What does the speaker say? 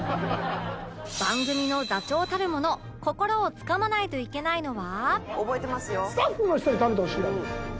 番組の座長たるもの心をつかまないといけないのは